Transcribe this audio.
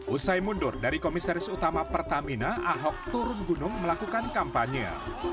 usai mundur dari komisaris utama pertamina ahok turun gunung melakukan kampanye